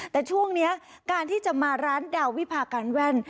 แต่ช่วงนี้การที่จะมาร้านดาววิพาการแว่น